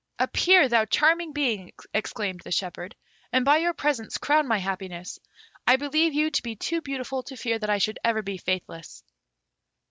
"Appear, thou charming being!" exclaimed the shepherd; "and by your presence crown my happiness. I believe you to be too beautiful to fear that I should ever be faithless."